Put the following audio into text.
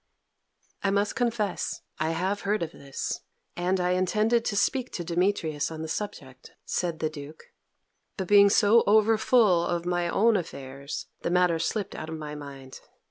"I must confess I have heard of this, and I intended to speak to Demetrius on the subject," said the Duke. "But being so overfull of my own affairs, the matter slipped out of my mind.